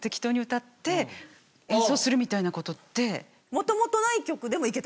するみたいなことって。